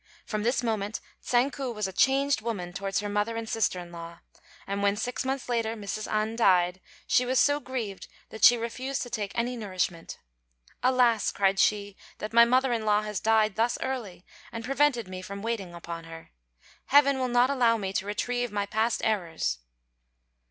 From this moment Tsang ku was a changed woman towards her mother and sister in law; and when, six months later, Mrs. An died, she was so grieved that she refused to take any nourishment. "Alas!" cried she, "that my mother in law has died thus early, and prevented me from waiting upon her. Heaven will not allow me to retrieve my past errors."